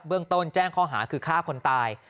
เรื่องต้นแจ้งข้อหาคือฆ่าคนตาย